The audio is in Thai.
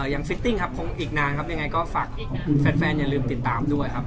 ฟิตติ้งครับคงอีกนานครับยังไงก็ฝากแฟนอย่าลืมติดตามด้วยครับ